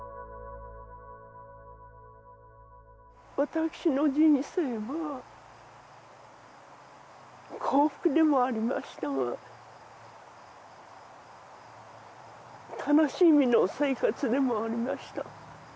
私の人生は幸福でもありましたが悲しみの生活でもありました